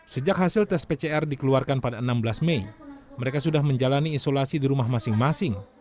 sejak hasil tes pcr dikeluarkan pada enam belas mei mereka sudah menjalani isolasi di rumah masing masing